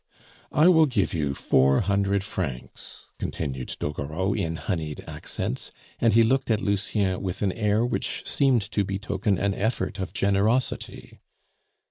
"I will give you four hundred francs," continued Doguereau in honeyed accents, and he looked at Lucien with an air which seemed to betoken an effort of generosity.